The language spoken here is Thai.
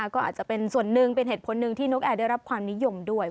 ก็อาจจะเป็นส่วนหนึ่งเป็นเหตุผลหนึ่งที่นกแอร์ได้รับความนิยมด้วย